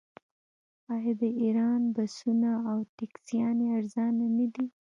آیا د ایران بسونه او ټکسیانې ارزانه نه دي؟